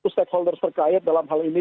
stakeholders terkait dalam hal ini